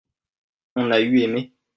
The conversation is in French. on a eu aimé.